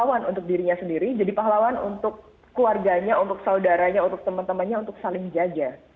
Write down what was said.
jadi pahlawan untuk dirinya sendiri jadi pahlawan untuk keluarganya untuk saudaranya untuk temen temennya untuk saling jajah